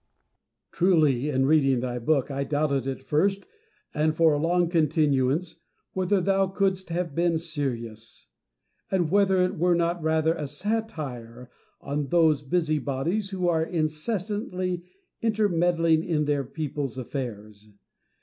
Truly, in reading thy book, I doubted at first, and for a long continuance, whether thou couldst have been serious ; and whether it were not rather a satire on those busy bodies who are incessantly intermeddling in other people's afiairs.